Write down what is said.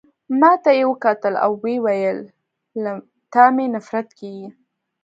ما ته يې وکتل او ويې ویل: له تا مي نفرت کیږي.